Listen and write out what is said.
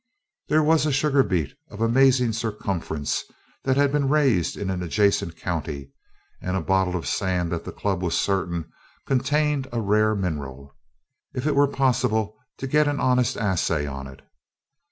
There was a sugar beet of amazing circumference that had been raised in an adjacent county, and a bottle of sand that the Club was certain contained a rare mineral, if it were possible to get an honest assay on it.